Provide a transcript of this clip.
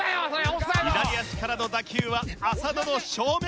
左足からの打球は浅野の正面。